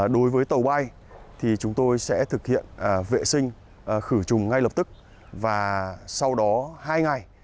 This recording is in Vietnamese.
đối với tàu bay thì chúng tôi sẽ thực hiện vệ sinh khử trùng ngay lập tức và sau đó hai ngày